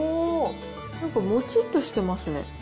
なんかもちっとしてますね。